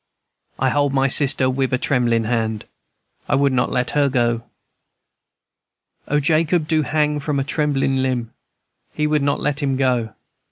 I hold my sister wid a tremblin' hand; I would not let her go! "O, Jacob do hang from a tremblin' limb, He would not let him go!